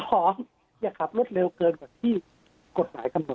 หอมอย่าขับรถเร็วเกินกว่าที่กฎหลายคำนวที่